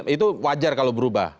itu wajar kalau berubah